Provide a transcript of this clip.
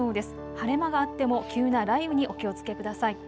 晴れ間があっても急な雷雨にお気をつけください。